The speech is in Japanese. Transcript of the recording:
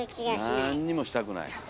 なんにもしたくない。